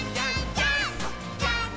ジャンプ！！」